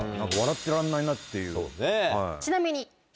ちなみに。